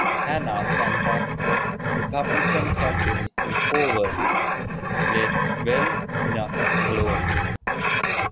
Hanna summed up the Republican campaign in four words, Let well enough alone.